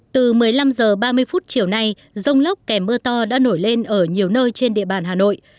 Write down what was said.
từ một mươi năm h ba mươi chiều nay rông lốc kèm mưa to đã nổi lên ở nhiều nơi trên địa bàn hà nội